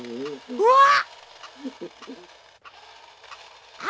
うわっ！